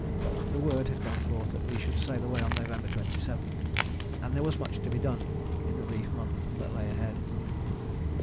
The word had gone forth that we should sail away on November 27, and there was much to be done in the brief month that lay ahead.